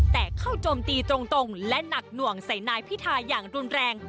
แต่เข้าโจมตีตรงและหนักหน่วงใส่นายพิธาอย่างรุนแรง